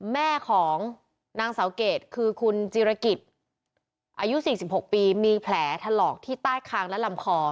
แม่ของนางสาวเกดคือคุณจิรกิจอายุ๔๖ปีมีแผลถลอกที่ใต้คางและลำคอ